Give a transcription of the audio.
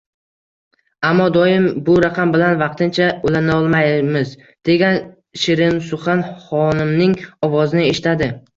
Ammo doim “Bu raqam bilan vaqtincha ulanolmaymaysiz” degan shirinsuxan xonimning ovozini eshitadi